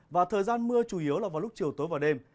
và thời gian mưa chủ yếu là vào lúc chiều tối và đêm